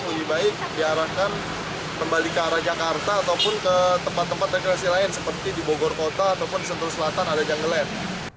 lebih baik diarahkan kembali ke arah jakarta ataupun ke tempat tempat rekreasi lain seperti di bogor kota ataupun di sentul selatan ada jenggelan